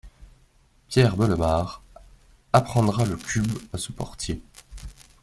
Pierre Bellemare apprendra le cube à ce portier.